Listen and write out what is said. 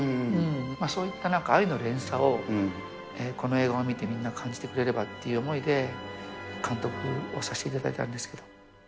そういったなんか愛の連鎖を、この映画を見て、みんな感じてくれればという思いで、監督をさせていただいたんですけど。